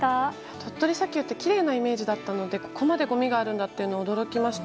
鳥取砂丘ってきれいなイメージだったのでここまでゴミがあるんだと驚きました。